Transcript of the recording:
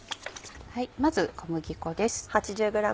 まず小麦粉です。